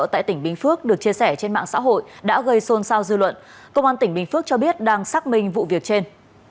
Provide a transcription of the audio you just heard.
tại tỉnh bình phước được chia sẻ trên mạng xã hội đã gây xôn xao dư luận công an tỉnh bình phước cho biết đang xác minh vụ việc trên